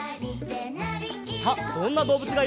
さあどんなどうぶつがいるかな？